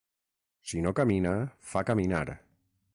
Si no camina, fa caminar.